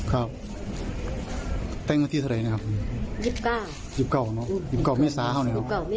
รอแต่มือรอแต่มือ